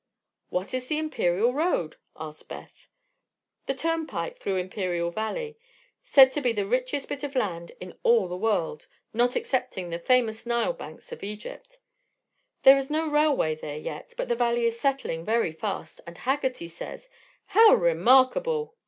"What is the Imperial road?" inquired Beth. "The turnpike through Imperial Valley, said to be the richest bit of land in all the world, not excepting the famous Nile banks of Egypt. There is no railway there yet, but the Valley is settling very fast, and Haggerty says " "How remarkable!"